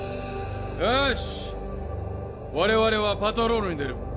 よし我々はパトロールに出る